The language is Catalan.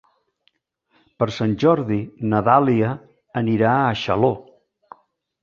Per Sant Jordi na Dàlia anirà a Xaló.